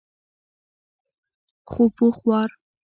خو پوخ وار.